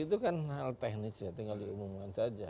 itu kan hal teknis ya tinggal diumumkan saja